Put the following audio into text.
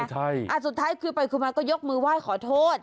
เออใช่อ่ะสุดท้ายคือไปขึ้นมาก็ยกมือไหว้ขอโทษ